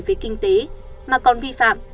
về kinh tế mà còn vi phạm